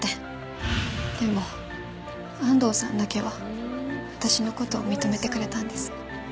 でも安藤さんだけは私の事を認めてくれたんです。